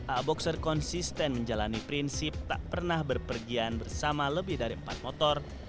a a boxer konsisten menjalani prinsip tak pernah berpergian bersama lebih dari empat motor